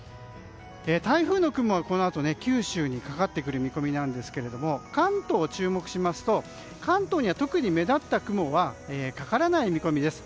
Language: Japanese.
台風の雲はこのあと九州にかかってくる見込みなんですけど関東を注目しますと関東には特に目立った雲はかからない見込みです。